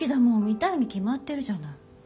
見たいに決まってるじゃない。